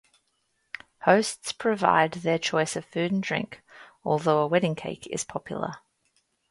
Hosts provide their choice of food and drink, although a wedding cake is popular.